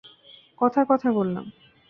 কথার কথা বললাম।